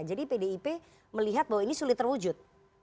jadi pdip melihat bahwa ini sulit terwujud